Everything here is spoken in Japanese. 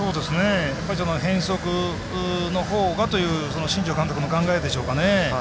変則のほうがというその新庄監督の考えでしょうかね。